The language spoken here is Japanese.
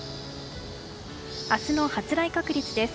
明日の発雷確率です。